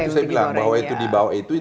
itu saya bilang bahwa itu di bawah itu